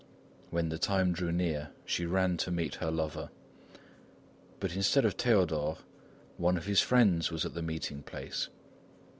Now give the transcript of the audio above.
When the time drew near, she ran to meet her lover. But instead of Théodore, one of his friends was at the meeting place.